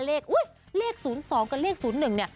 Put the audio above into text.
เลข๐๒กับ๐๑